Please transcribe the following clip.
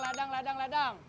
ledang ledang ledang